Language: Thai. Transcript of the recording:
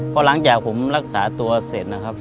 พอหลังจากผมรักษาตัวเสร็จนะครับ